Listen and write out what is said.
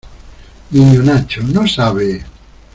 niño Nacho, no sabe?